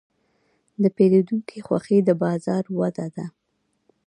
د پیرودونکي خوښي د بازار وده ده.